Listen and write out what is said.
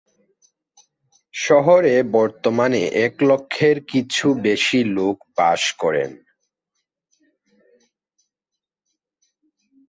শহরে বর্তমানে এক লক্ষের কিছু বেশি লোক বাস করেন।